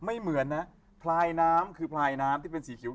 เหมือนนะพลายน้ำคือพลายน้ำที่เป็นสีเขียว